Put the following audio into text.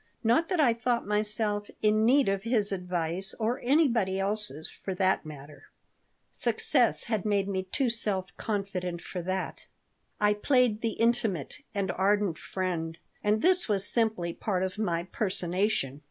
Not that I thought myself in need of his advice, or anybody else's, for that matter. Success had made me too self confident for that. I played the intimate and ardent friend, and this was simply part of my personation.